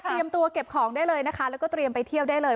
ตัวเก็บของได้เลยนะคะแล้วก็เตรียมไปเที่ยวได้เลย